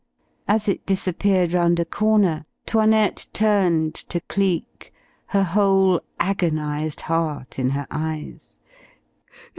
As it disappeared round a corner, 'Toinette turned to Cleek, her whole agonized heart in her eyes.